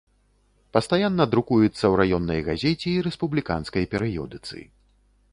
Пастаянна друкуецца ў раённай газеце і рэспубліканскай перыёдыцы.